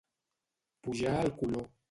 Pujar el color.